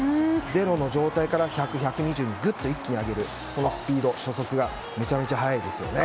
ゼロの状態から１００、１２０にぐっと一気に上げるスピード初速がめちゃめちゃ早いですね。